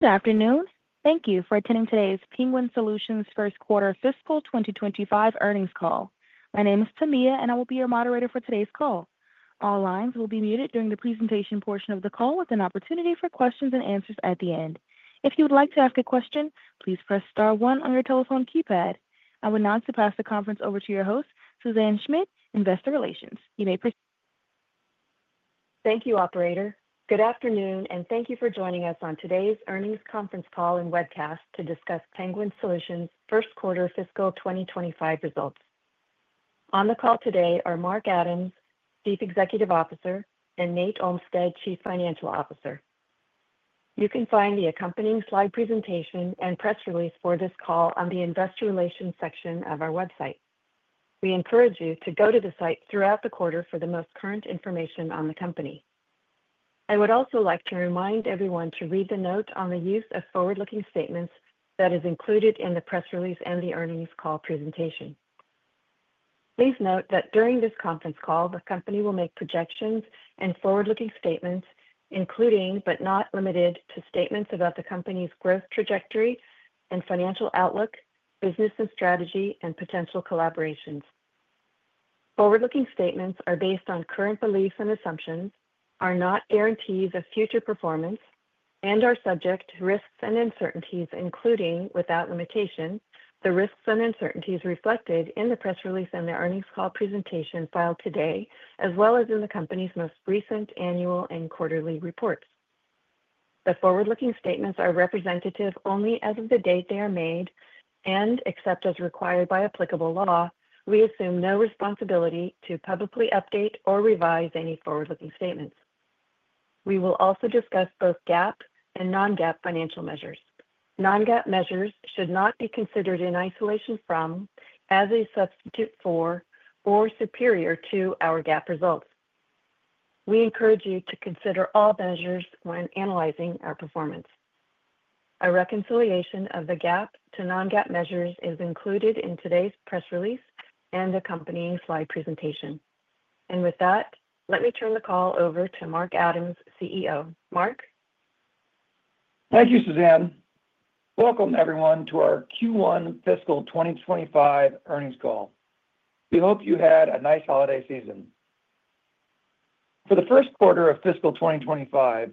Good afternoon. Thank you for attending today's Penguin Solutions First Quarter Fiscal 2025 earnings call. My name is Tamia, and I will be your moderator for today's call. All lines will be muted during the presentation portion of the call, with an opportunity for questions and answers at the end. If you would like to ask a question, please press star one on your telephone keypad. I will now pass the conference over to your host, Suzanne Schmidt, Investor Relations. You may proceed. Thank you, Operator. Good afternoon and thank you for joining us on today's earnings conference call and webcast to discuss Penguin Solutions First Quarter Fiscal 2025 results. On the call today are Mark Adams, Chief Executive Officer, and Nate Olmstead, Chief Financial Officer. You can find the accompanying slide presentation and press release for this call on the Investor Relations section of our website. We encourage you to go to the site throughout the quarter for the most current information on the company. I would also like to remind everyone to read the note on the use of forward-looking statements that is included in the press release and the earnings call presentation. Please note that during this conference call, the company will make projections and forward-looking statements, including but not limited to statements about the company's growth trajectory and financial outlook, business and strategy, and potential collaborations. Forward-looking statements are based on current beliefs and assumptions, are not guarantees of future performance, and are subject to risks and uncertainties, including without limitation, the risks and uncertainties reflected in the press release and the earnings call presentation filed today, as well as in the company's most recent annual and quarterly reports. The forward-looking statements are representative only as of the date they are made and except as required by applicable law. We assume no responsibility to publicly update or revise any forward-looking statements. We will also discuss both GAAP and non-GAAP financial measures. Non-GAAP measures should not be considered in isolation from, as a substitute for, or superior to our GAAP results. We encourage you to consider all measures when analyzing our performance. A reconciliation of the GAAP to non-GAAP measures is included in today's press release and accompanying slide presentation. With that, let me turn the call over to Mark Adams, CEO. Mark. Thank you, Suzanne. Welcome, everyone, to our Q1 Fiscal 2025 earnings call. We hope you had a nice holiday season. For the first quarter of Fiscal 2025,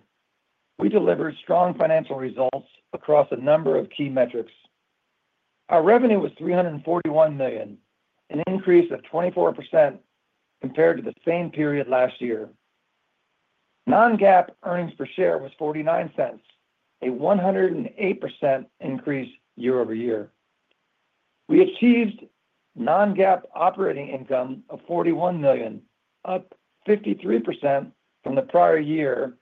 we delivered strong financial results across a number of key metrics. Our revenue was $341 million, an increase of 24% compared to the same period last year. Non-GAAP earnings per share was $0.49, a 108% increase year-over-year. We achieved non-GAAP operating income of $41 million, up 53% from the prior year,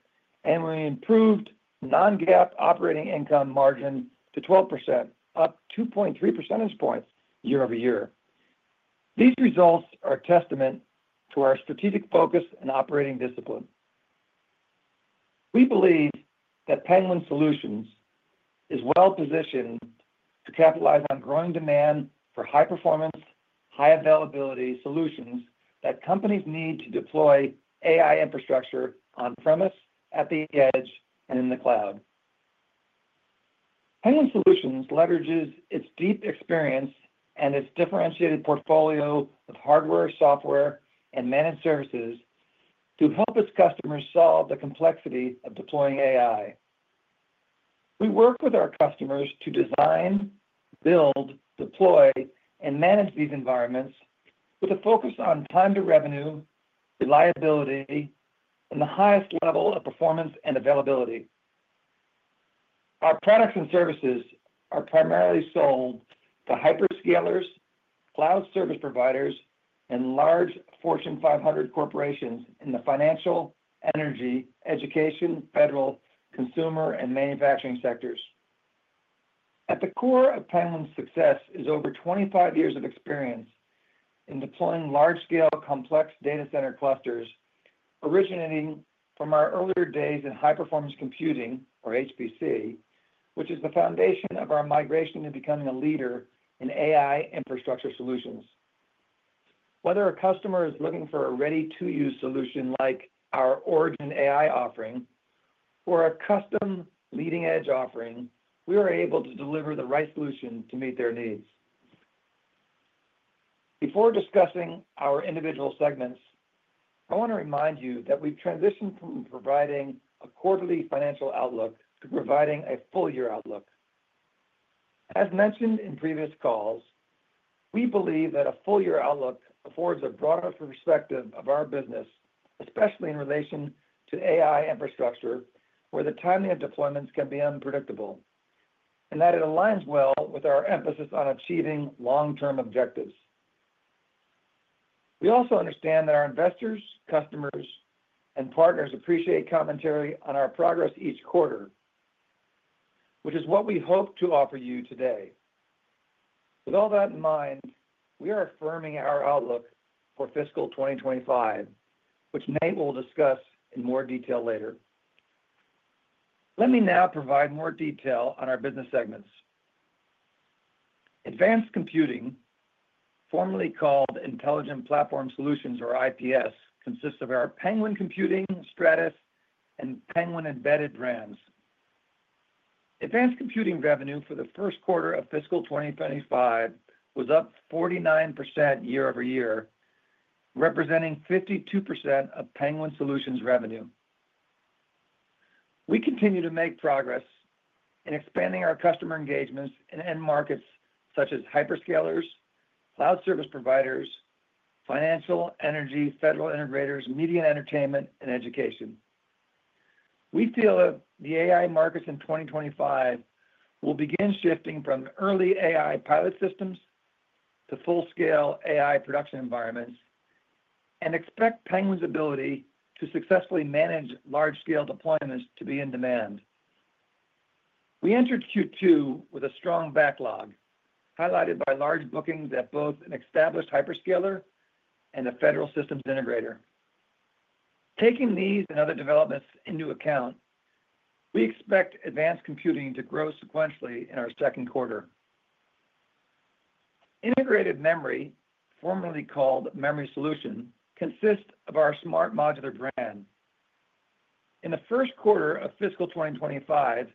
and we improved non-GAAP operating income margin to 12%, up 2.3 percentage points year-over-year. These results are a testament to our strategic focus and operating discipline. We believe that Penguin Solutions is well positioned to capitalize on growing demand for high-performance, high-availability solutions that companies need to deploy AI infrastructure on-premise, at the edge, and in the cloud. Penguin Solutions leverages its deep experience and its differentiated portfolio of hardware, software, and managed services to help its customers solve the complexity of deploying AI. We work with our customers to design, build, deploy, and manage these environments with a focus on time to revenue, reliability, and the highest level of performance and availability. Our products and services are primarily sold to hyperscalers, cloud service providers, and large Fortune 500 corporations in the financial, energy, education, federal, consumer, and manufacturing sectors. At the core of Penguin's success is over 25 years of experience in deploying large-scale, complex data center clusters originating from our earlier days in high-performance computing, or HPC, which is the foundation of our migration to becoming a leader in AI infrastructure solutions. Whether a customer is looking for a ready-to-use solution like our OriginAI offering or a custom leading-edge offering, we are able to deliver the right solution to meet their needs. Before discussing our individual segments, I want to remind you that we've transitioned from providing a quarterly financial outlook to providing a full-year outlook. As mentioned in previous calls, we believe that a full-year outlook affords a broader perspective of our business, especially in relation to AI infrastructure, where the timing of deployments can be unpredictable, and that it aligns well with our emphasis on achieving long-term objectives. We also understand that our investors, customers, and partners appreciate commentary on our progress each quarter, which is what we hope to offer you today. With all that in mind, we are affirming our outlook for Fiscal 2025, which Nate will discuss in more detail later. Let me now provide more detail on our business segments. Advanced Computing, formerly called Intelligent Platform Solutions, or IPS, consists of our Penguin Computing, Stratus, and Penguin Embedded brands. Advanced Computing revenue for the first quarter of Fiscal 2025 was up 49% year-over-year, representing 52% of Penguin Solutions' revenue. We continue to make progress in expanding our customer engagements in end markets such as hyperscalers, cloud service providers, financial, energy, federal integrators, media, and entertainment, and education. We feel that the AI markets in 2025 will begin shifting from early AI pilot systems to full-scale AI production environments and expect Penguin's ability to successfully manage large-scale deployments to be in demand. We entered Q2 with a strong backlog, highlighted by large bookings at both an established hyperscaler and a federal systems integrator. Taking these and other developments into account, we expect Advanced Computing to grow sequentially in our second quarter. Integrated Memory, formerly called Memory Solutions, consists of our SMART Modular brand. In the first quarter of Fiscal 2025,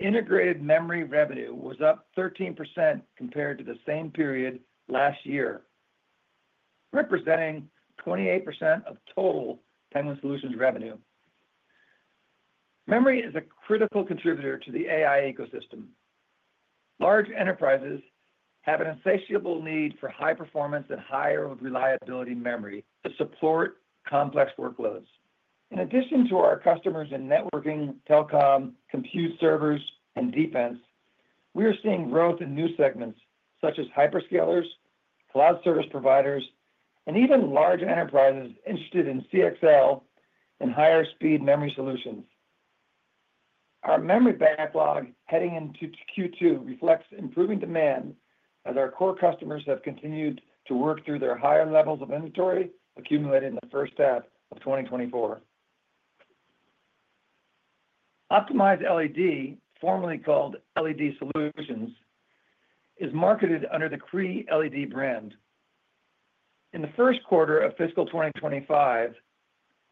Integrated Memory revenue was up 13% compared to the same period last year, representing 28% of total Penguin Solutions revenue. Memory is a critical contributor to the AI ecosystem. Large enterprises have an insatiable need for high-performance and higher-reliability memory to support complex workloads. In addition to our customers in networking, telecom, compute servers, and defense, we are seeing growth in new segments such as hyperscalers, cloud service providers, and even large enterprises interested in CXL and higher-speed memory solutions. Our memory backlog heading into Q2 reflects improving demand as our core customers have continued to work through their higher levels of inventory accumulated in the first half of 2024. Optimized LED, formerly called LED Solutions, is marketed under the Cree LED brand. In the first quarter of Fiscal 2025,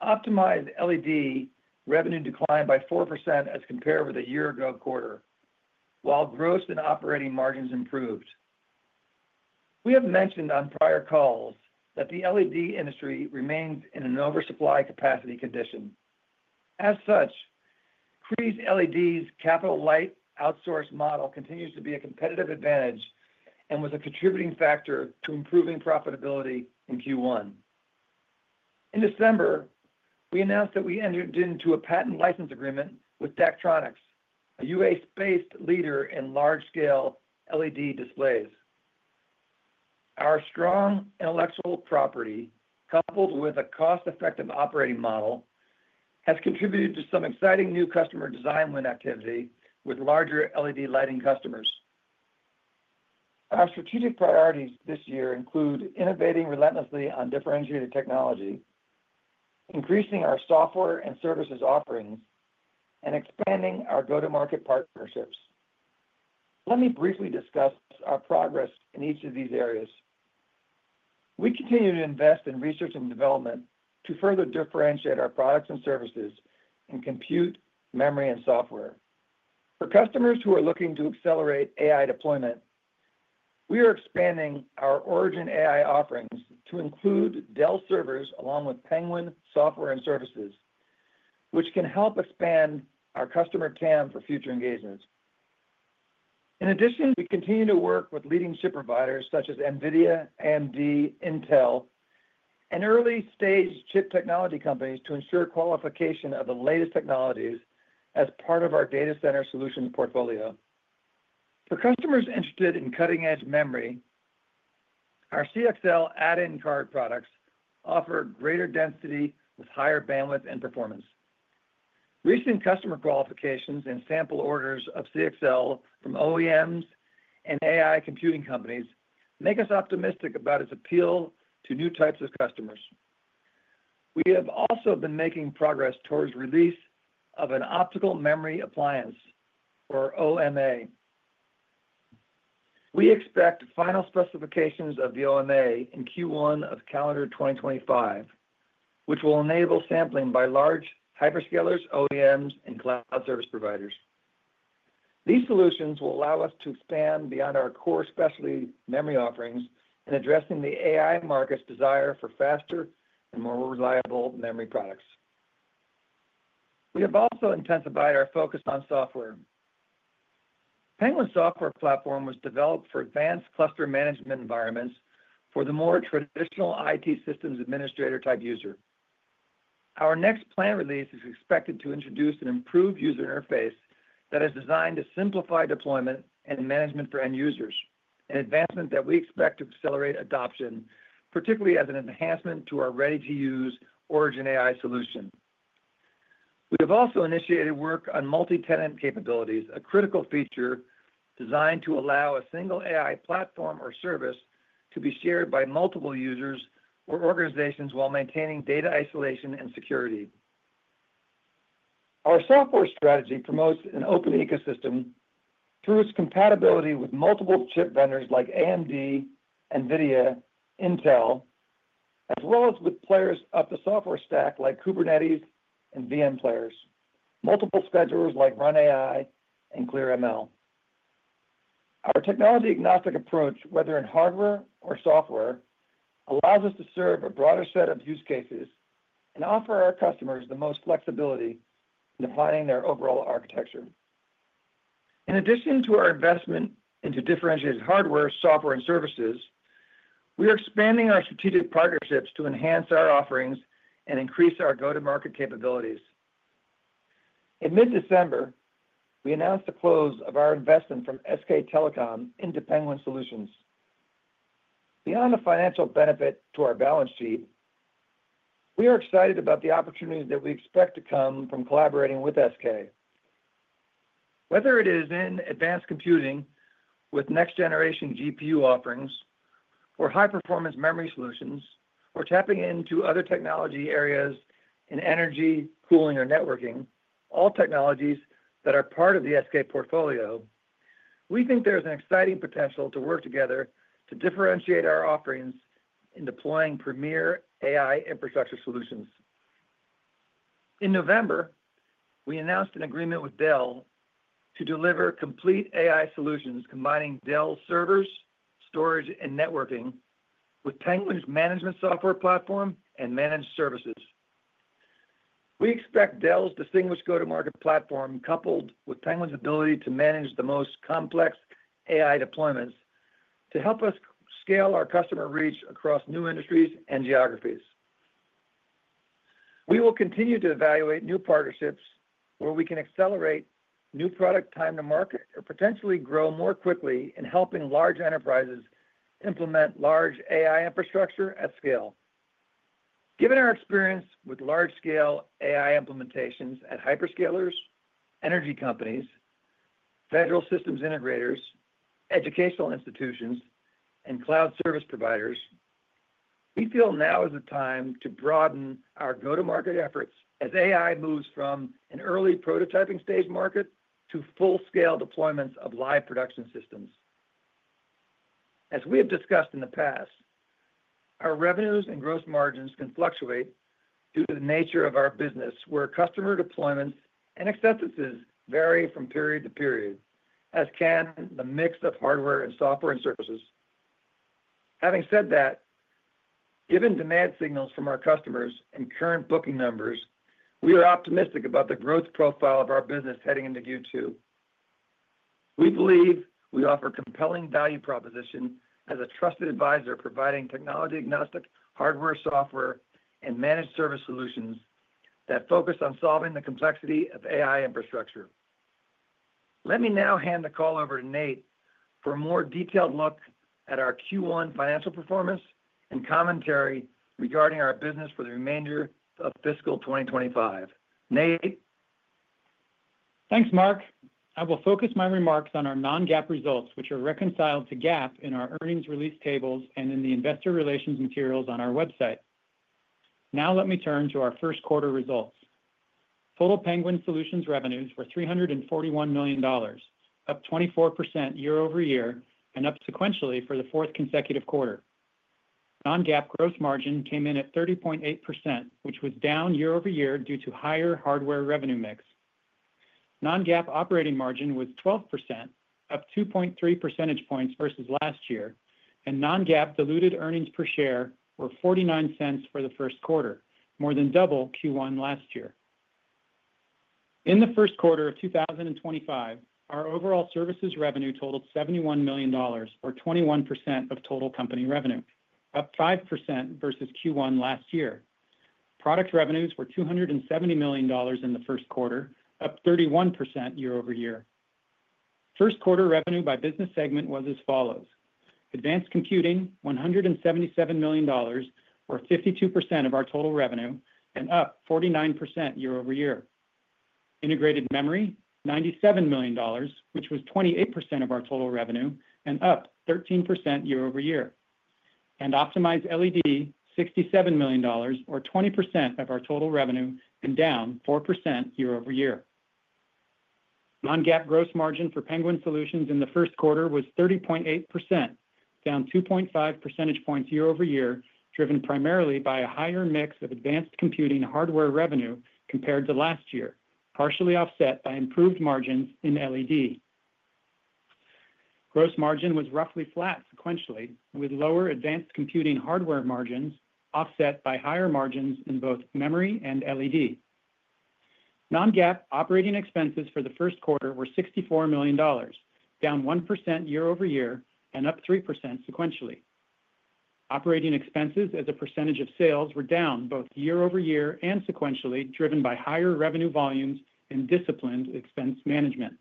Optimized LED revenue declined by 4% as compared with the year-ago quarter, while gross and operating margins improved. We have mentioned on prior calls that the LED industry remains in an oversupply capacity condition. As such, Cree LED's capital-light outsourcing model continues to be a competitive advantage and was a contributing factor to improving profitability in Q1. In December, we announced that we entered into a patent license agreement with Daktronics, a U.S.-based leader in large-scale LED displays. Our strong intellectual property, coupled with a cost-effective operating model, has contributed to some exciting new customer design win activity with larger LED lighting customers. Our strategic priorities this year include innovating relentlessly on differentiated technology, increasing our software and services offerings, and expanding our go-to-market partnerships. Let me briefly discuss our progress in each of these areas. We continue to invest in research and development to further differentiate our products and services in compute, memory, and software. For customers who are looking to accelerate AI deployment, we are expanding our OriginAI offerings to include Dell servers along with Penguin Software and Services, which can help expand our customer TAM for future engagements. In addition, we continue to work with leading chip providers such as NVIDIA, AMD, Intel, and early-stage chip technology companies to ensure qualification of the latest technologies as part of our data center solution portfolio. For customers interested in cutting-edge memory, our CXL add-in card products offer greater density with higher bandwidth and performance. Recent customer qualifications and sample orders of CXL from OEMs and AI computing companies make us optimistic about its appeal to new types of customers. We have also been making progress towards the release of an optical memory appliance, or OMA. We expect final specifications of the OMA in Q1 of calendar 2025, which will enable sampling by large hyperscalers, OEMs, and cloud service providers. These solutions will allow us to expand beyond our core specialty memory offerings in addressing the AI market's desire for faster and more reliable memory products. We have also intensified our focus on software. Penguin Software Platform was developed for advanced cluster management environments for the more traditional IT systems administrator-type user. Our next planned release is expected to introduce an improved user interface that is designed to simplify deployment and management for end users, an advancement that we expect to accelerate adoption, particularly as an enhancement to our ready-to-use OriginAI solution. We have also initiated work on multi-tenant capabilities, a critical feature designed to allow a single AI platform or service to be shared by multiple users or organizations while maintaining data isolation and security. Our software strategy promotes an open ecosystem through its compatibility with multiple chip vendors like AMD, NVIDIA, Intel, as well as with players up the software stack like Kubernetes and VM players, multiple schedulers like Run:ai and ClearML. Our technology-agnostic approach, whether in hardware or software, allows us to serve a broader set of use cases and offer our customers the most flexibility in defining their overall architecture. In addition to our investment into differentiated hardware, software, and services, we are expanding our strategic partnerships to enhance our offerings and increase our go-to-market capabilities. In mid-December, we announced the close of our investment from SK Telecom into Penguin Solutions. Beyond the financial benefit to our balance sheet, we are excited about the opportunities that we expect to come from collaborating with SK. Whether it is in advanced computing with next-generation GPU offerings or high-performance memory solutions or tapping into other technology areas in energy, cooling, or networking, all technologies that are part of the SK portfolio, we think there is an exciting potential to work together to differentiate our offerings in deploying premier AI infrastructure solutions. In November, we announced an agreement with Dell to deliver complete AI solutions combining Dell servers, storage, and networking with Penguin's management software platform and managed services. We expect Dell's distinguished go-to-market platform, coupled with Penguin's ability to manage the most complex AI deployments, to help us scale our customer reach across new industries and geographies. We will continue to evaluate new partnerships where we can accelerate new product time to market or potentially grow more quickly in helping large enterprises implement large AI infrastructure at scale. Given our experience with large-scale AI implementations at hyperscalers, energy companies, federal systems integrators, educational institutions, and cloud service providers, we feel now is the time to broaden our go-to-market efforts as AI moves from an early prototyping stage market to full-scale deployments of live production systems. As we have discussed in the past, our revenues and gross margins can fluctuate due to the nature of our business, where customer deployments and acceptances vary from period to period, as can the mix of hardware and software and services. Having said that, given demand signals from our customers and current booking numbers, we are optimistic about the growth profile of our business heading into Q2. We believe we offer compelling value proposition as a trusted advisor providing technology-agnostic hardware, software, and managed service solutions that focus on solving the complexity of AI infrastructure. Let me now hand the call over to Nate for a more detailed look at our Q1 financial performance and commentary regarding our business for the remainder of Fiscal 2025. Nate? Thanks, Mark. I will focus my remarks on our non-GAAP results, which are reconciled to GAAP in our earnings release tables and in the investor relations materials on our website. Now let me turn to our first quarter results. Total Penguin Solutions revenues were $341 million, up 24% year-over-year and up sequentially for the fourth consecutive quarter. Non-GAAP gross margin came in at 30.8%, which was down year-over-year due to higher hardware revenue mix. Non-GAAP operating margin was 12%, up 2.3 percentage points versus last year, and non-GAAP diluted earnings per share were $0.49 for the first quarter, more than double Q1 last year. In the first quarter of 2025, our overall services revenue totaled $71 million, or 21% of total company revenue, up 5% versus Q1 last year. Product revenues were $270 million in the first quarter, up 31% year-over-year. First quarter revenue by business segment was as follows: Advanced Computing, $177 million, or 52% of our total revenue, and up 49% year-over-year. Integrated Memory, $97 million, which was 28% of our total revenue, and up 13% year-over-year, and Optimized LED, $67 million, or 20% of our total revenue, and down 4% year-over-year. Non-GAAP gross margin for Penguin Solutions in the first quarter was 30.8%, down 2.5 percentage points year-over-year, driven primarily by a higher mix of advanced computing hardware revenue compared to last year, partially offset by improved margins in LED. Gross margin was roughly flat sequentially, with lower advanced computing hardware margins offset by higher margins in both memory and LED. Non-GAAP operating expenses for the first quarter were $64 million, down 1% year-over-year and up 3% sequentially. Operating expenses as a percentage of sales were down both year-over-year and sequentially, driven by higher revenue volumes and disciplined expense management.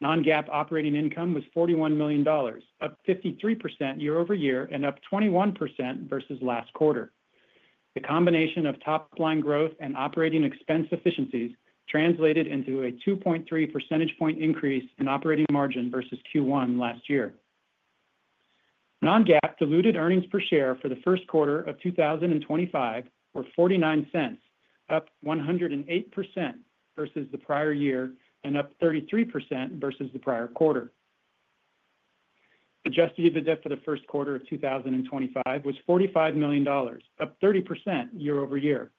Non-GAAP operating income was $41 million, up 53% year-over-year and up 21% versus last quarter. The combination of top-line growth and operating expense efficiencies translated into a 2.3 percentage point increase in operating margin versus Q1 last year. Non-GAAP diluted earnings per share for the first quarter of 2025 were $0.49, up 108% versus the prior year and up 33% versus the prior quarter. Adjusted EBITDA for the first quarter of 2025 was $45 million, up 30% year-over-year.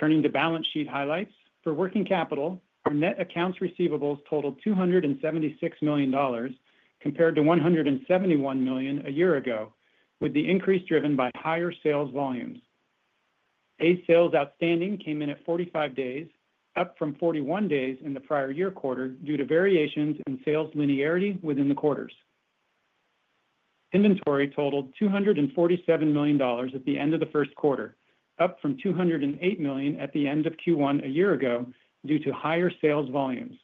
Turning to balance sheet highlights, for working capital, our net accounts receivables totaled $276 million compared to $171 million a year ago, with the increase driven by higher sales volumes. Days sales outstanding came in at 45 days, up from 41 days in the prior year quarter due to variations in sales linearity within the quarters. Inventory totaled $247 million at the end of the first quarter, up from $208 million at the end of Q1 a year ago due to higher sales volumes.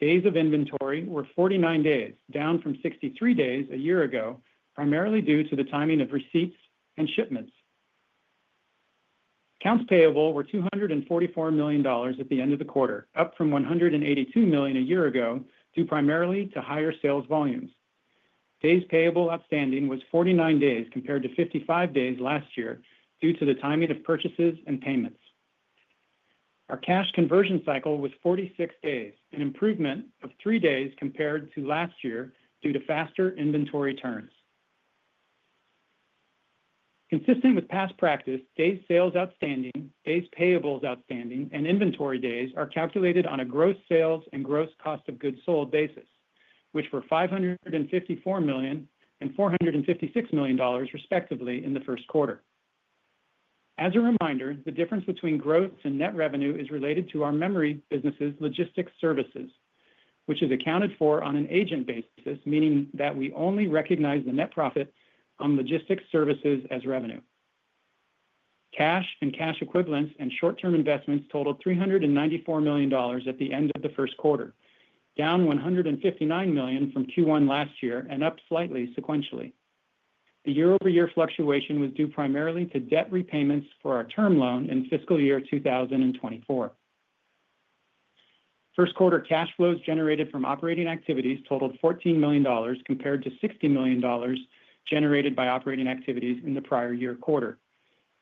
Days of inventory were 49 days, down from 63 days a year ago, primarily due to the timing of receipts and shipments. Accounts payable were $244 million at the end of the quarter, up from $182 million a year ago due primarily to higher sales volumes. Days payable outstanding was 49 days compared to 55 days last year due to the timing of purchases and payments. Our cash conversion cycle was 46 days, an improvement of 3 days compared to last year due to faster inventory turns. Consistent with past practice, days sales outstanding, days payable outstanding, and inventory days are calculated on a gross sales and gross cost of goods sold basis, which were $554 million and $456 million, respectively, in the first quarter. As a reminder, the difference between gross and net revenue is related to our memory business's logistics services, which is accounted for on an agent basis, meaning that we only recognize the net profit on logistics services as revenue. Cash and cash equivalents and short-term investments totaled $394 million at the end of the first quarter, down $159 million from Q1 last year and up slightly sequentially. The year-over-year fluctuation was due primarily to debt repayments for our term loan in fiscal year 2024. First quarter cash flows generated from operating activities totaled $14 million compared to $60 million generated by operating activities in the prior year quarter.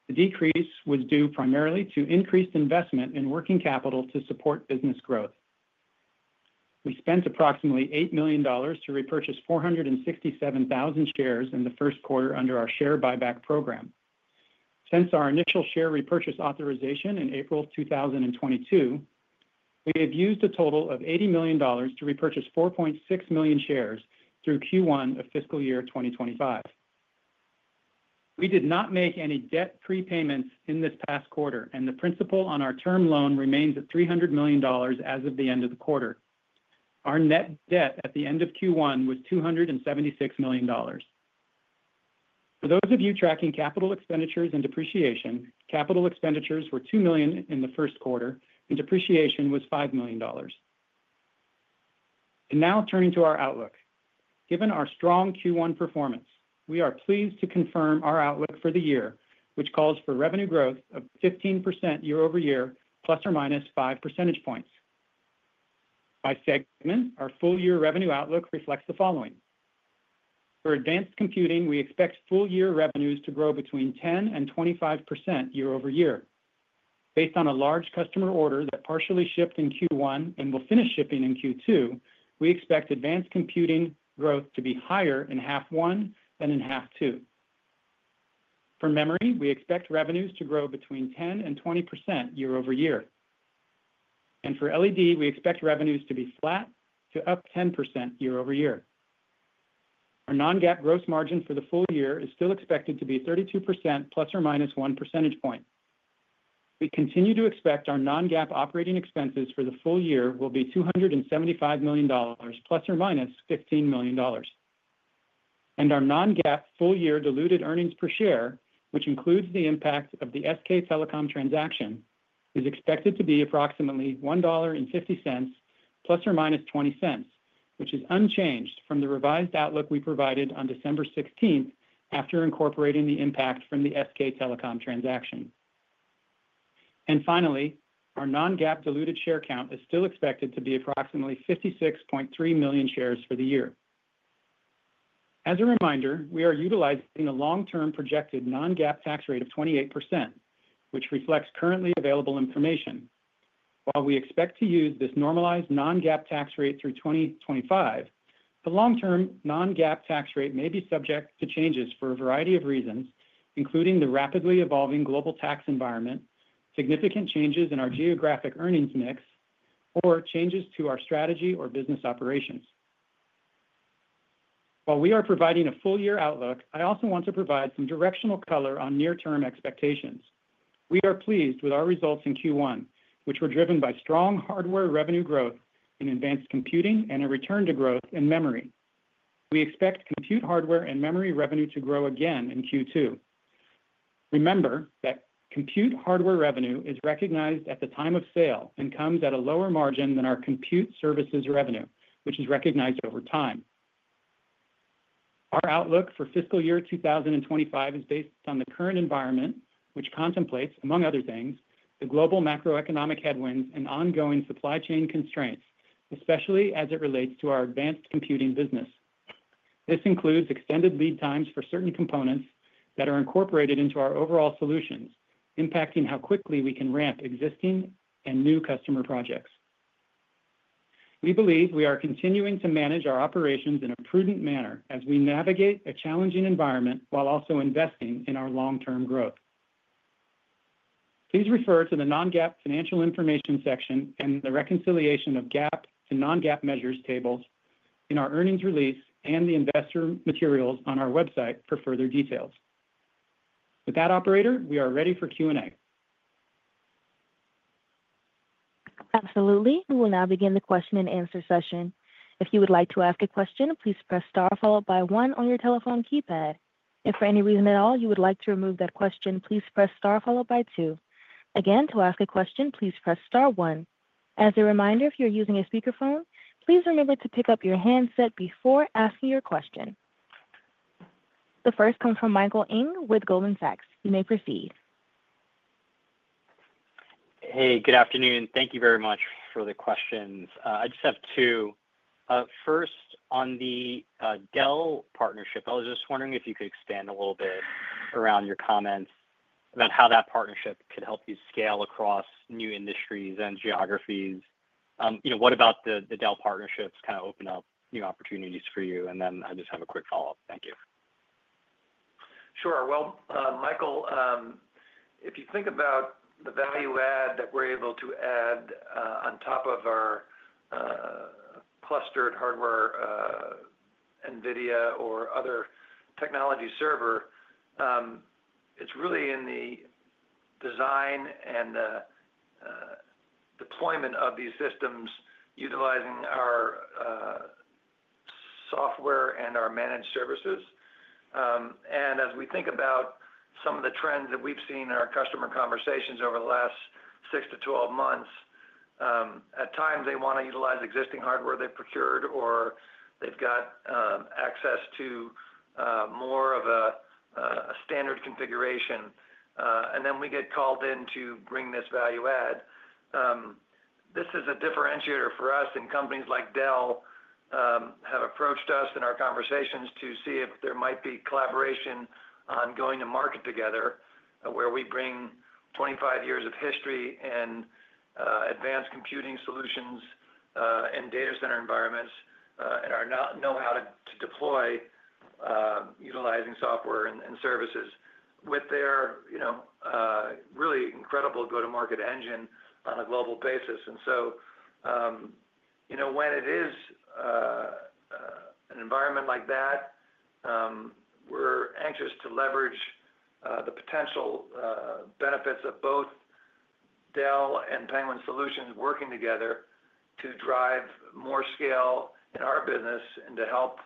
The decrease was due primarily to increased investment in working capital to support business growth. We spent approximately $8 million to repurchase 467,000 shares in the first quarter under our share buyback program. Since our initial share repurchase authorization in April 2022, we have used a total of $80 million to repurchase 4.6 million shares through Q1 of fiscal year 2025. We did not make any debt prepayments in this past quarter, and the principal on our term loan remains at $300 million as of the end of the quarter. Our net debt at the end of Q1 was $276 million. For those of you tracking capital expenditures and depreciation, capital expenditures were $2 million in the first quarter, and depreciation was $5 million. And now turning to our outlook. Given our strong Q1 performance, we are pleased to confirm our outlook for the year, which calls for revenue growth of 15% year-over-year, plus or minus 5 percentage points. By segment, our full-year revenue outlook reflects the following. For Advanced Computing, we expect full-year revenues to grow between 10%-25% year-over-year. Based on a large customer order that partially shipped in Q1 and will finish shipping in Q2, we expect advanced computing growth to be higher in half one than in half two. For memory, we expect revenues to grow between 10% and 20% year-over-year. And for LED, we expect revenues to be flat to up 10% year-over-year. Our non-GAAP gross margin for the full-year is still expected to be 32% plus or minus 1 percentage point. We continue to expect our non-GAAP operating expenses for the full-year will be $275 million, plus or minus $15 million. And our non-GAAP full-year diluted earnings per share, which includes the impact of the SK Telecom transaction, is expected to be approximately $1.50 plus or minus $0.20, which is unchanged from the revised outlook we provided on 16 December after incorporating the impact from the SK Telecom transaction. And finally, our non-GAAP diluted share count is still expected to be approximately 56.3 million shares for the year. As a reminder, we are utilizing a long-term projected non-GAAP tax rate of 28%, which reflects currently available information. While we expect to use this normalized non-GAAP tax rate through 2025, the long-term non-GAAP tax rate may be subject to changes for a variety of reasons, including the rapidly evolving global tax environment, significant changes in our geographic earnings mix, or changes to our strategy or business operations. While we are providing a full-year outlook, I also want to provide some directional color on near-term expectations. We are pleased with our results in Q1, which were driven by strong hardware revenue growth in advanced computing and a return to growth in memory. We expect compute hardware and memory revenue to grow again in Q2. Remember that compute hardware revenue is recognized at the time of sale and comes at a lower margin than our compute services revenue, which is recognized over time. Our outlook for fiscal year 2025 is based on the current environment, which contemplates, among other things, the global macroeconomic headwinds and ongoing supply chain constraints, especially as it relates to our advanced computing business. This includes extended lead times for certain components that are incorporated into our overall solutions, impacting how quickly we can ramp existing and new customer projects. We believe we are continuing to manage our operations in a prudent manner as we navigate a challenging environment while also investing in our long-term growth. Please refer to the non-GAAP financial information section and the reconciliation of GAAP to non-GAAP measures tables in our earnings release and the investor materials on our website for further details. With that, Operator, we are ready for Q&A. Absolutely. We will now begin the question and answer session. If you would like to ask a question, please press star followed by one on your telephone keypad. If for any reason at all you would like to remove that question, please press star followed by two. Again, to ask a question, please press star one. As a reminder, if you're using a speakerphone, please remember to pick up your handset before asking your question. The first comes from Michael Ng with Goldman Sachs. You may proceed. Hey, good afternoon. Thank you very much for the questions. I just have two. First, on the Dell partnership, I was just wondering if you could expand a little bit around your comments about how that partnership could help you scale across new industries and geographies? What about the Dell partnerships kind of open up new opportunities for you? And then I just have a quick follow-up. Thank you. Sure. Well, Michael, if you think about the value add that we're able to add on top of our clustered hardware NVIDIA or other technology server, it's really in the design and the deployment of these systems utilizing our software and our managed services. And as we think about some of the trends that we've seen in our customer conversations over the last 6-12 months, at times they want to utilize existing hardware they've procured, or they've got access to more of a standard configuration. And then we get called in to bring this value add. This is a differentiator for us, and companies like Dell have approached us in our conversations to see if there might be collaboration on going to market together, where we bring 25 years of history and advanced computing solutions and data center environments and our know-how to deploy utilizing software and services with their really incredible go-to-market engine on a global basis. And so when it is an environment like that, we're anxious to leverage the potential benefits of both Dell and Penguin Solutions working together to drive more scale in our business and to help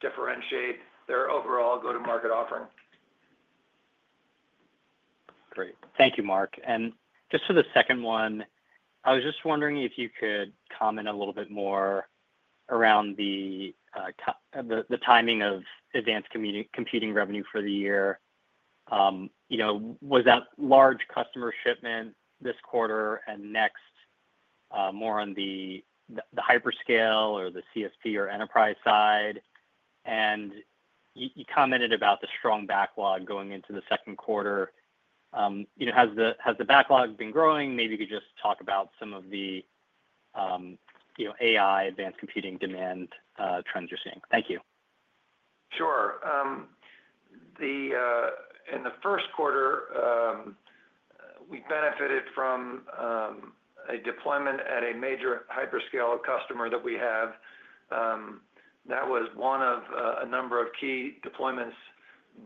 differentiate their overall go-to-market offering. Great. Thank you, Mark. And just for the second one, I was just wondering if you could comment a little bit more around the timing of advanced computing revenue for the year. Was that large customer shipment this quarter and next more on the hyperscale or the CSP or enterprise side? You commented about the strong backlog going into the second quarter. Has the backlog been growing? Maybe you could just talk about some of the AI advanced computing demand trends you're seeing. Thank you. Sure. In the first quarter, we benefited from a deployment at a major hyperscale customer that we have. That was one of a number of key deployments,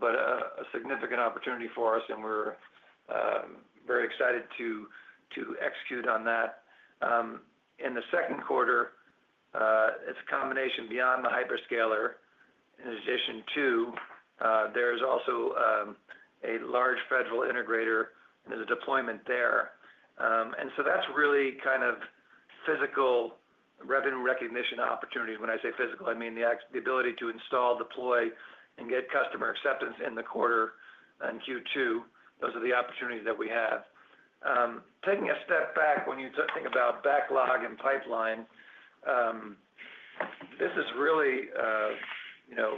but a significant opportunity for us, and we're very excited to execute on that. In the second quarter, it's a combination beyond the hyperscaler. In addition to, there is also a large federal integrator and there's a deployment there. And so that's really kind of physical revenue recognition opportunities. When I say physical, I mean the ability to install, deploy, and get customer acceptance in the quarter and Q2. Those are the opportunities that we have. Taking a step back, when you think about backlog and pipeline, this is really the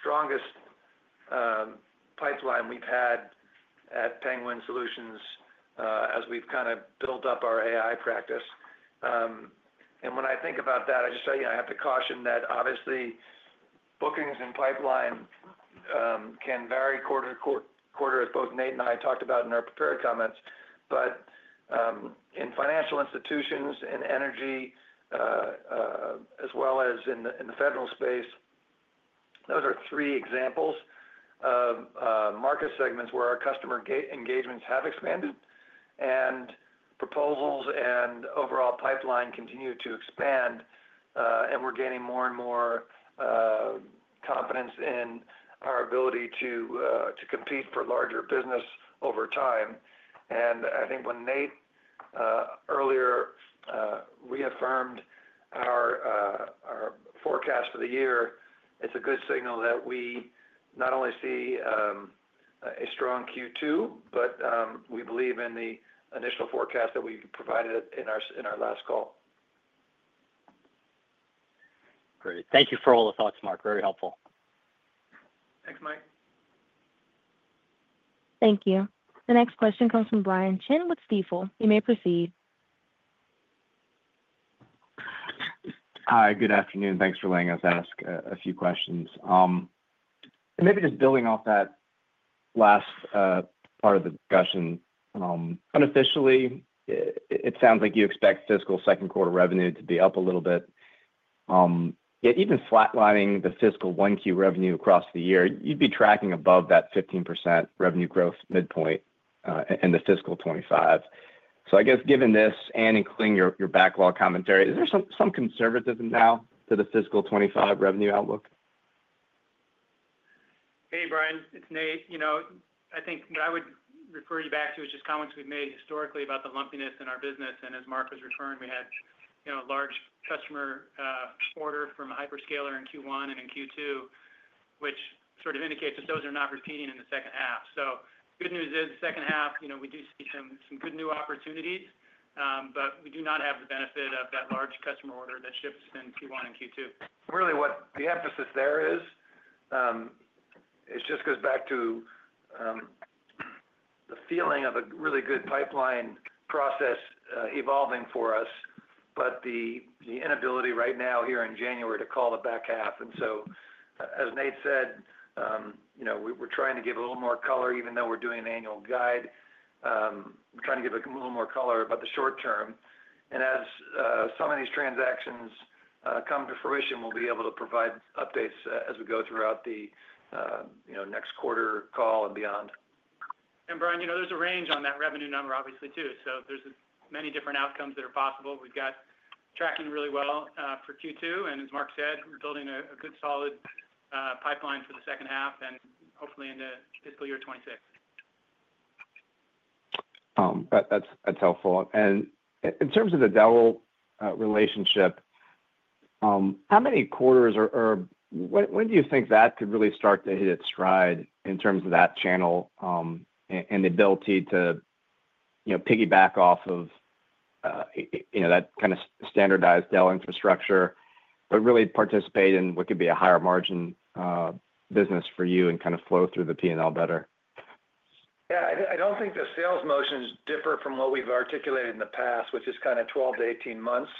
strongest pipeline we've had at Penguin Solutions as we've kind of built up our AI practice, and when I think about that, I just have to caution that obviously bookings and pipeline can vary quarter-to-quarter, as both Nate and I talked about in our prepared comments, but in financial institutions, in energy, as well as in the federal space, those are three examples of market segments where our customer engagements have expanded and proposals and overall pipeline continue to expand, and we're gaining more and more confidence in our ability to compete for larger business over time. I think when Nate earlier reaffirmed our forecast for the year, it's a good signal that we not only see a strong Q2, but we believe in the initial forecast that we provided in our last call. Great. Thank you for all the thoughts, Mark. Very helpful. Thanks, Mike. Thank you. The next question comes from Brian Chin with Stifel. You may proceed. Hi. Good afternoon. Thanks for letting us ask a few questions. Maybe just building off that last part of the discussion, unofficially, it sounds like you expect fiscal second quarter revenue to be up a little bit. Yet even flatlining the fiscal Q1 revenue across the year, you'd be tracking above that 15% revenue growth midpoint in the fiscal 2025. So I guess given this and including your backlog commentary, is there some conservatism now to the fiscal 2025 revenue outlook? Hey, Brian. It's Nate. I think what I would refer you back to is just comments we've made historically about the lumpiness in our business. And as Mark was referring, we had a large customer order from a hyperscaler in Q1 and in Q2, which sort of indicates that those are not repeating in the second half. So the good news is the second half, we do see some good new opportunities, but we do not have the benefit of that large customer order that shifts in Q1 and Q2. Really, what the emphasis there is, it just goes back to the feeling of a really good pipeline process evolving for us, but the inability right now here in January to call the back half. And so as Nate said, we're trying to give a little more color even though we're doing an annual guide. We're trying to give a little more color about the short-term. And as some of these transactions come to fruition, we'll be able to provide updates as we go throughout the next quarter call and beyond. And Brian, there's a range on that revenue number, obviously, too. So there's many different outcomes that are possible. We've got tracking really well for Q2. And as Mark said, we're building a good solid pipeline for the second half and hopefully into fiscal year 2026. That's helpful. And in terms of the Dell relationship, how many quarters or when do you think that could really start to hit its stride in terms of that channel and the ability to piggyback off of that kind of standardized Dell infrastructure, but really participate in what could be a higher margin business for you and kind of flow through the P&L better? Yeah. I don't think the sales motions differ from what we've articulated in the past, which is kind of 12-18 months,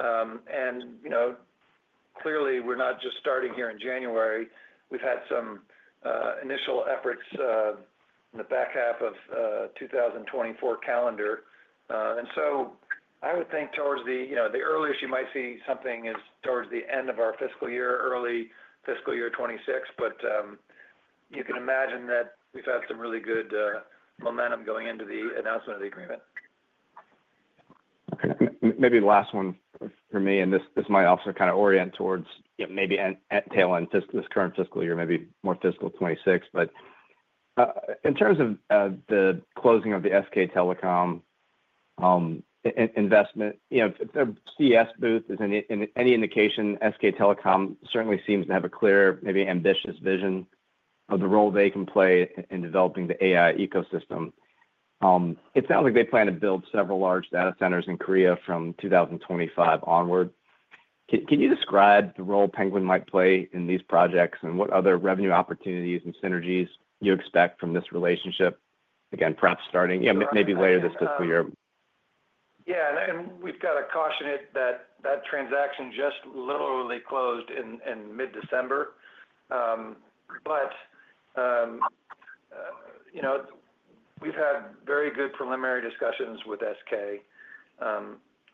and clearly, we're not just starting here in January. We've had some initial efforts in the back half of the 2024 calendar, and so I would think towards the earliest you might see something is towards the end of our fiscal year, early fiscal year 2026, but you can imagine that we've had some really good momentum going into the announcement of the agreement. Maybe the last one for me, and this might also kind of orient towards maybe tail end this current fiscal year, maybe more fiscal 2026. But in terms of the closing of the SK Telecom investment, if the CES booth is any indication, SK Telecom certainly seems to have a clear, maybe ambitious vision of the role they can play in developing the AI ecosystem. It sounds like they plan to build several large data centers in Korea from 2025 onward. Can you describe the role Penguin might play in these projects and what other revenue opportunities and synergies you expect from this relationship? Again, perhaps starting maybe later this fiscal year. Yeah. And we've got to caution it that that transaction just literally closed in mid-December. But we've had very good preliminary discussions with SK.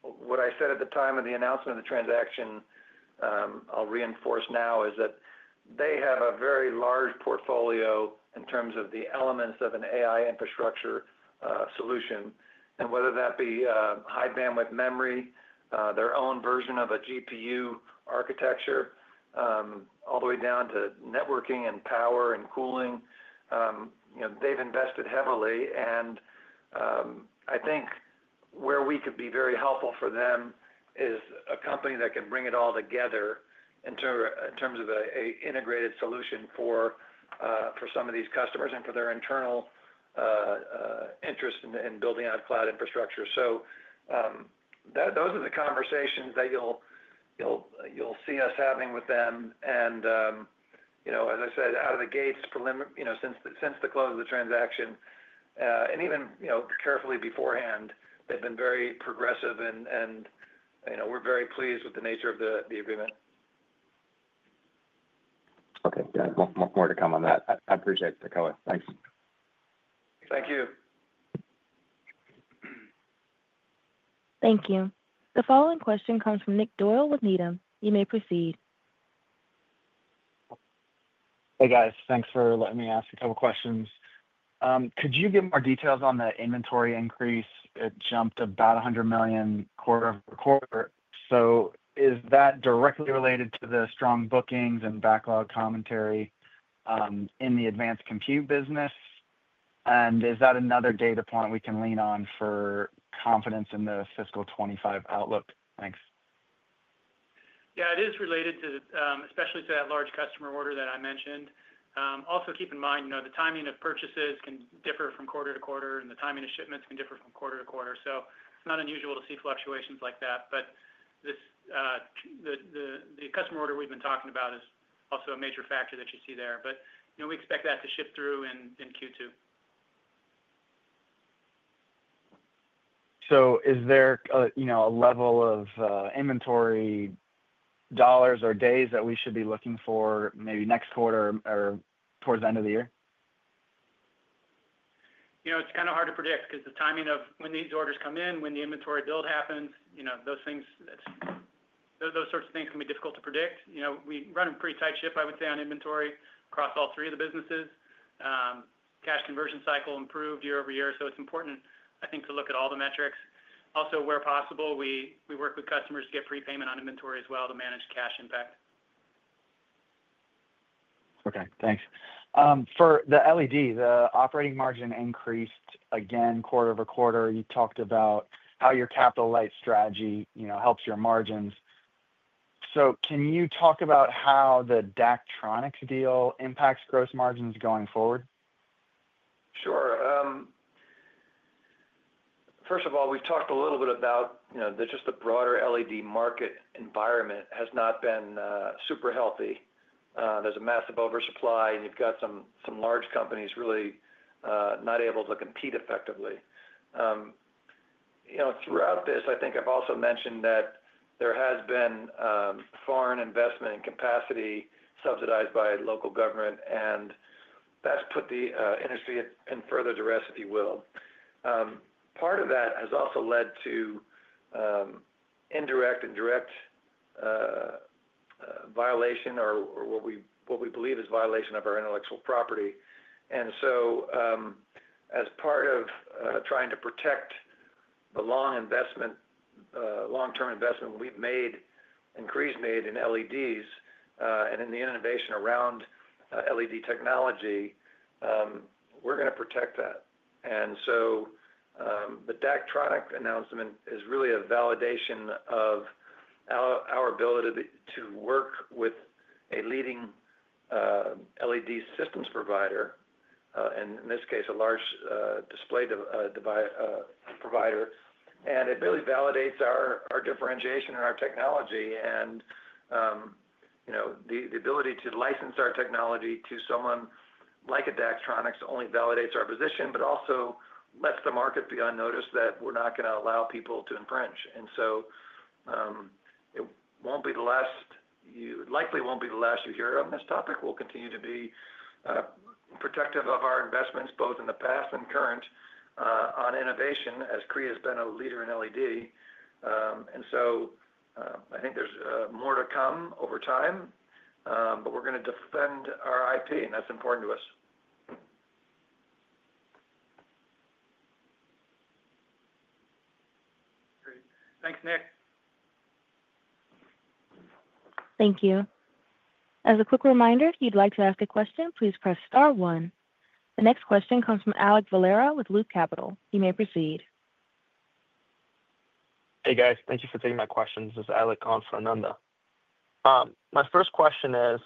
What I said at the time of the announcement of the transaction, I'll reinforce now, is that they have a very large portfolio in terms of the elements of an AI infrastructure solution. And whether that be high bandwidth memory, their own version of a GPU architecture, all the way down to networking and power and cooling, they've invested heavily. And I think where we could be very helpful for them is a company that can bring it all together in terms of an integrated solution for some of these customers and for their internal interest in building out cloud infrastructure. So those are the conversations that you'll see us having with them. And as I said, out of the gates since the close of the transaction and even carefully beforehand, they've been very progressive, and we're very pleased with the nature of the agreement. Okay. Got it. More to come on that. I appreciate the color. Thanks. Thank you. Thank you. The following question comes from Nick Doyle with Needham & Company. You may proceed. Hey, guys. Thanks for letting me ask a couple of questions. Could you give more details on the inventory increase? It jumped about $100 million quarter-over-quarter. So is that directly related to the strong bookings and backlog commentary in the advanced compute business? And is that another data point we can lean on for confidence in the fiscal 2025 outlook? Thanks. Yeah. It is related to especially to that large customer order that I mentioned. Also, keep in mind the timing of purchases can differ from quarter-to-quarter, and the timing of shipments can differ from quarter-to-quarter. So it's not unusual to see fluctuations like that. But the customer order we've been talking about is also a major factor that you see there. But we expect that to shift through in Q2. So is there a level of inventory dollars or days that we should be looking for maybe next quarter or towards the end of the year? It's kind of hard to predict because the timing of when these orders come in, when the inventory build happens, those sorts of things can be difficult to predict. We run a pretty tight ship, I would say, on inventory across all three of the businesses. Cash conversion cycle improved year-over-year. So it's important, I think, to look at all the metrics. Also, where possible, we work with customers to get prepayment on inventory as well to manage cash impact. Okay. Thanks. For the LED, the operating margin increased again quarter-over-quarter. You talked about how your capital light strategy helps your margins. So can you talk about how the Daktronics deal impacts gross margins going forward? Sure. First of all, we've talked a little bit about just the broader LED market environment. It has not been super healthy. There's a massive oversupply, and you've got some large companies really not able to compete effectively. Throughout this, I think I've also mentioned that there has been foreign investment and capacity subsidized by local government, and that's put the industry in further duress, if you will. Part of that has also led to indirect and direct violation or what we believe is violation of our intellectual property. And so as part of trying to protect the long-term investment we've made in LEDs and in the innovation around LED technology, we're going to protect that. And so the Daktronics announcement is really a validation of our ability to work with a leading LED systems provider, and in this case, a large display provider. And it really validates our differentiation in our technology. And the ability to license our technology to someone like a Daktronics only validates our position, but also lets the market be on notice that we're not going to allow people to infringe. And so it won't be the last. You likely won't be the last to hear on this topic. We'll continue to be protective of our investments, both in the past and current, on innovation as Korea has been a leader in LED. And so I think there's more to come over time, but we're going to defend our IP, and that's important to us. Great. Thanks, Nick. Thank you. As a quick reminder, if you'd like to ask a question, please press star one. The next question comes from Alek Valero with Loop Capital Markets. You may proceed. Hey, guys. Thank you for taking my questions. This is Alek calling from Loop Capital Markets. My first question is,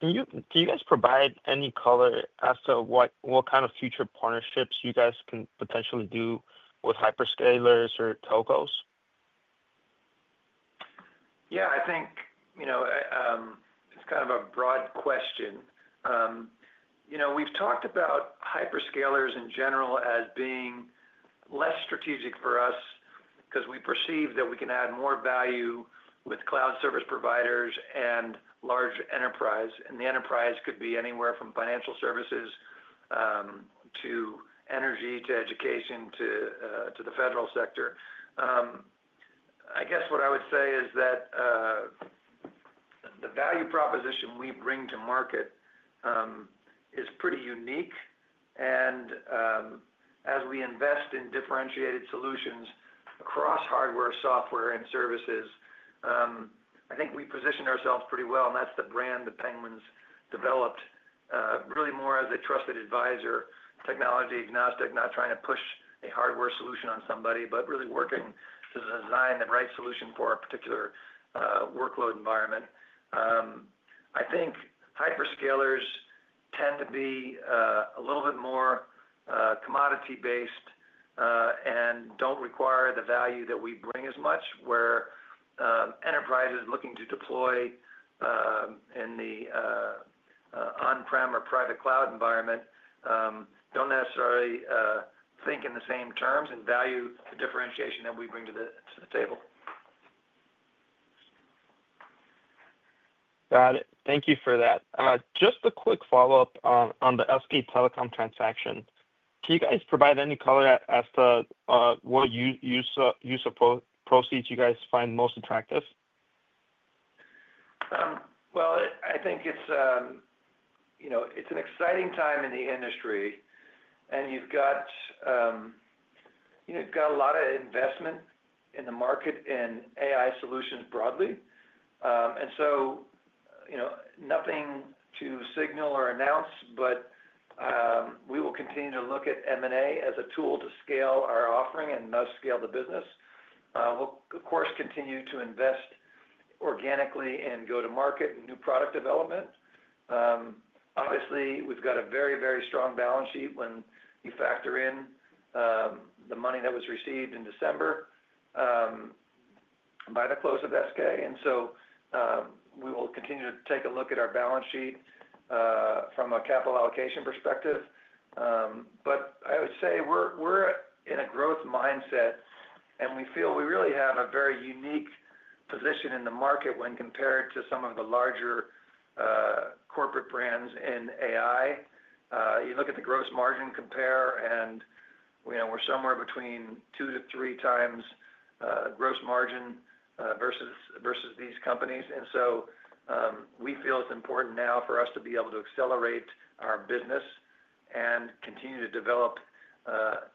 can you guys provide any color as to what kind of future partnerships you guys can potentially do with hyperscalers or telcos? Yeah. I think it's kind of a broad question. We've talked about hyperscalers in general as being less strategic for us because we perceive that we can add more value with cloud service providers and large enterprise, and the enterprise could be anywhere from financial services to energy to education to the federal sector. I guess what I would say is that the value proposition we bring to market is pretty unique, and as we invest in differentiated solutions across hardware, software, and services, I think we position ourselves pretty well. That's the brand that Penguin's developed, really more as a trusted advisor, technology agnostic, not trying to push a hardware solution on somebody, but really working to design the right solution for a particular workload environment. I think hyperscalers tend to be a little bit more commodity-based and don't require the value that we bring as much, where enterprises looking to deploy in the on-prem or private cloud environment don't necessarily think in the same terms and value the differentiation that we bring to the table. Got it. Thank you for that. Just a quick follow-up on the SK Telecom transaction. Can you guys provide any color as to what use of proceeds you guys find most attractive? I think it's an exciting time in the industry, and you've got a lot of investment in the market in AI solutions broadly. And so nothing to signal or announce, but we will continue to look at M&A as a tool to scale our offering and thus scale the business. We'll, of course, continue to invest organically in go-to-market and new product development. Obviously, we've got a very, very strong balance sheet when you factor in the money that was received in December by the close of SK. And so we will continue to take a look at our balance sheet from a capital allocation perspective. But I would say we're in a growth mindset, and we feel we really have a very unique position in the market when compared to some of the larger corporate brands in AI. You look at the gross margin compare, and we're somewhere between two to three times gross margin versus these companies. And so we feel it's important now for us to be able to accelerate our business and continue to develop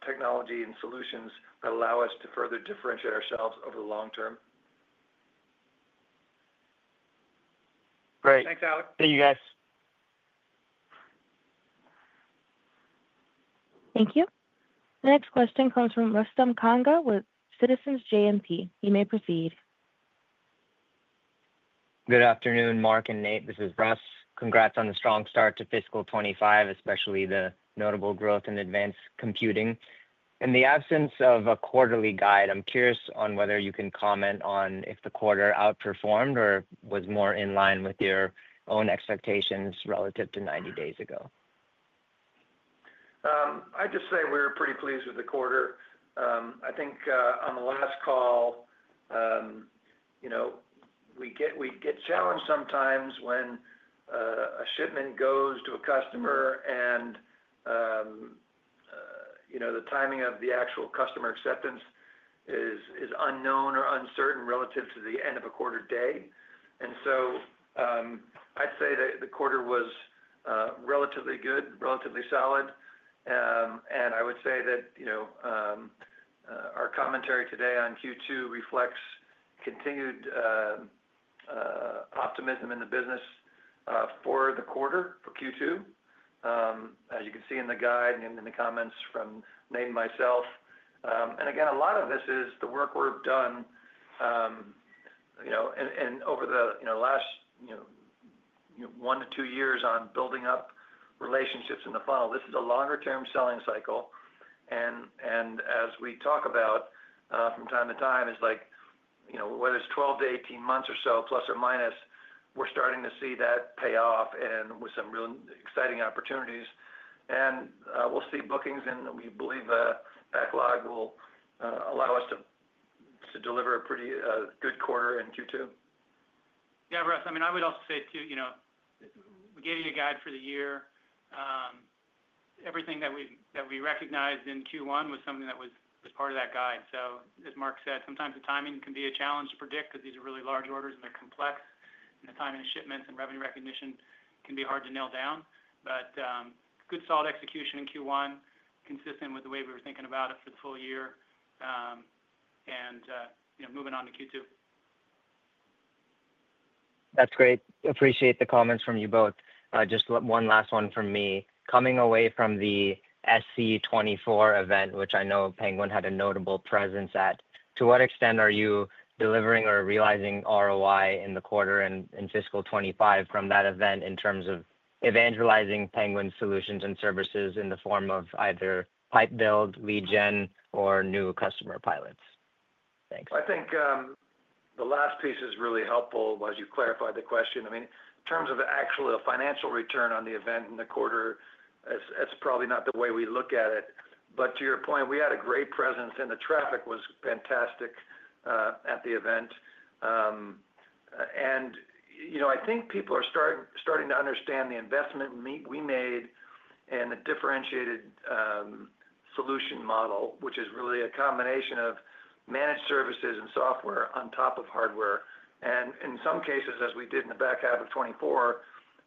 technology and solutions that allow us to further differentiate ourselves over the long-term. Great. Thanks, Alek. Thank you, guys. Thank you. The next question comes from Rustam Kanga with Citizens JMP. You may proceed. Good afternoon, Mark and Nate. This is Russ. Congrats on the strong start to fiscal 2025, especially the notable growth in advanced computing. In the absence of a quarterly guide, I'm curious on whether you can comment on if the quarter outperformed or was more in line with your own expectations relative to 90 days ago. I'd just say we're pretty pleased with the quarter. I think on the last call, we get challenged sometimes when a shipment goes to a customer, and the timing of the actual customer acceptance is unknown or uncertain relative to the end of a quarter day, and so I'd say that the quarter was relatively good, relatively solid, and I would say that our commentary today on Q2 reflects continued optimism in the business for the quarter, for Q2, as you can see in the guide and in the comments from Nate and myself, and again, a lot of this is the work we've done over the last one to two years on building up relationships in the funnel. This is a longer-term selling cycle, and as we talk about from time to time, it's like whether it's 12-18 months or so, plus or minus, we're starting to see that pay off with some real exciting opportunities. We'll see bookings, and we believe backlog will allow us to deliver a pretty good quarter in Q2. Yeah, Russ. I mean, I would also say too, we gave you a guide for the year. Everything that we recognized in Q1 was something that was part of that guide. So as Mark said, sometimes the timing can be a challenge to predict because these are really large orders and they're complex, and the timing of shipments and revenue recognition can be hard to nail down. Good solid execution in Q1, consistent with the way we were thinking about it for the full year and moving on to Q2. That's great. Appreciate the comments from you both. Just one last one from me. Coming away from the SC24 event, which I know Penguin had a notable presence at, to what extent are you delivering or realizing ROI in the quarter and in fiscal 2025 from that event in terms of evangelizing Penguin Solutions and Services in the form of either pipe build, lead gen, or new customer pilots? Thanks. I think the last piece is really helpful as you clarified the question. I mean, in terms of actually a financial return on the event in the quarter, it's probably not the way we look at it, but to your point, we had a great presence, and the traffic was fantastic at the event, and I think people are starting to understand the investment we made in a differentiated solution model, which is really a combination of managed services and software on top of hardware. And in some cases, as we did in the back half of 2024,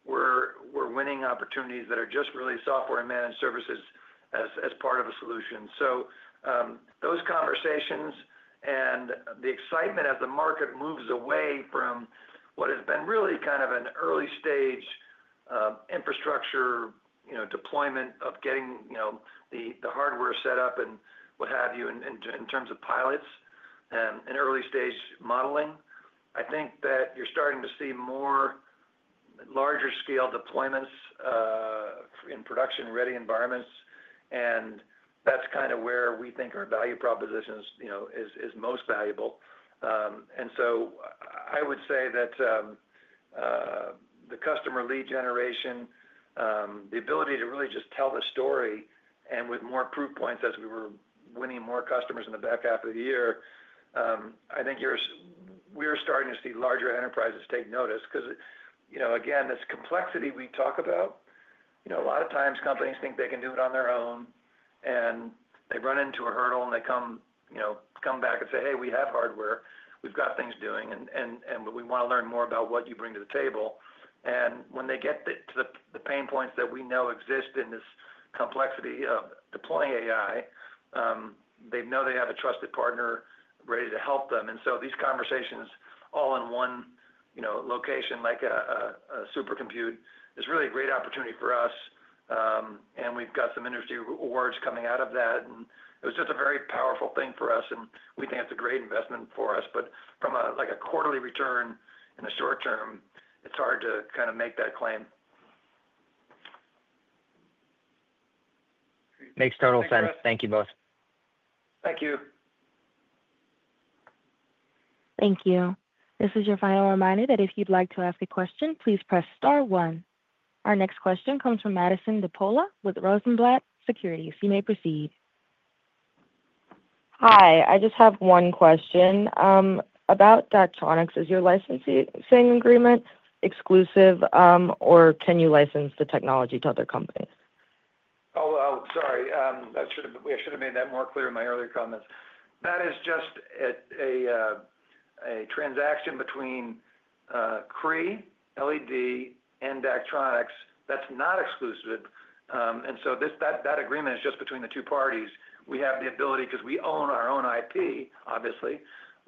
we're winning opportunities that are just really software and managed services as part of a solution. So those conversations and the excitement as the market moves away from what has been really kind of an early-stage infrastructure deployment of getting the hardware set up and what have you in terms of pilots and early-stage modeling, I think that you're starting to see more larger-scale deployments in production-ready environments. And that's kind of where we think our value proposition is most valuable. And so I would say that the customer lead generation, the ability to really just tell the story, and with more proof points as we were winning more customers in the back half of the year, I think we're starting to see larger enterprises take notice because, again, this complexity we talk about, a lot of times companies think they can do it on their own, and they run into a hurdle, and they come back and say, "Hey, we have hardware. We've got things doing, and we want to learn more about what you bring to the table." And when they get to the pain points that we know exist in this complexity of deploying AI, they know they have a trusted partner ready to help them. And so these conversations all in one location, like a supercompute, is really a great opportunity for us. And we've got some industry awards coming out of that. And it was just a very powerful thing for us, and we think it's a great investment for us. But from a quarterly return in the short-term, it's hard to kind of make that claim. Makes total sense. Thank you both. Thank you. Thank you. This is your final reminder that if you'd like to ask a question, please press star one. Our next question comes from Madison DePaola with Rosenblatt Securities. You may proceed. Hi. I just have one question about Daktronics. Is your licensing agreement exclusive, or can you license the technology to other companies? Oh, sorry. I should have made that more clear in my earlier comments. That is just a transaction between Cree LED and Daktronics that's not exclusive. And so that agreement is just between the two parties. We have the ability, because we own our own IP, obviously,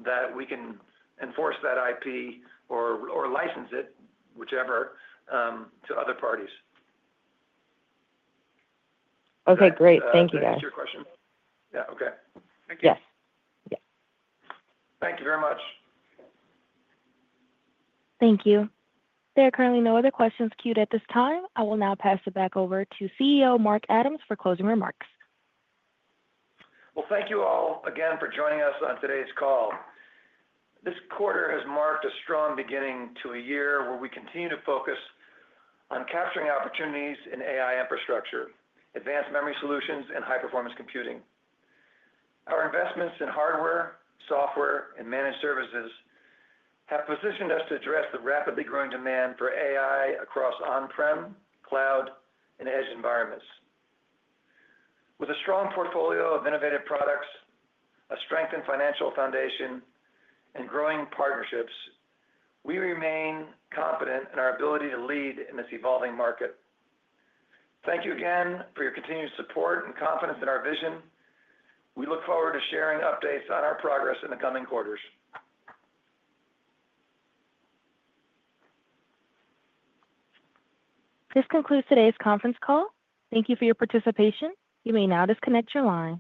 that we can enforce that IP or license it, whichever, to other parties. Okay. Great. Thank you, guys. That answers your question? Yeah. Okay. Thank you. Yes. Thank you very much. Thank you. There are currently no other questions queued at this time. I will now pass it back over to CEO Mark Adams for closing remarks. Well, thank you all again for joining us on today's call. This quarter has marked a strong beginning to a year where we continue to focus on capturing opportunities in AI infrastructure, advanced memory solutions, and high-performance computing. Our investments in hardware, software, and managed services have positioned us to address the rapidly growing demand for AI across on-prem, cloud, and edge environments. With a strong portfolio of innovative products, a strengthened financial foundation, and growing partnerships, we remain confident in our ability to lead in this evolving market. Thank you again for your continued support and confidence in our vision. We look forward to sharing updates on our progress in the coming quarters. This concludes today's conference call. Thank you for your participation. You may now disconnect your line.